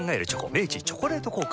明治「チョコレート効果」